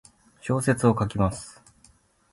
小説を書きます。